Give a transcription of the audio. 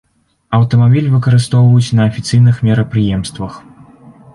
Аўтамабіль выкарыстоўваюць на афіцыйных мерапрыемствах.